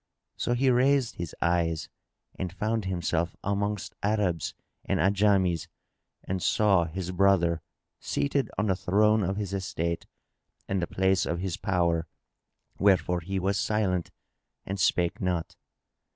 So he raised his eyes and found himself amongst Arabs and Ajams and saw his brother seated on the throne of his estate and the place of his power, wherefore he was silent and spake not.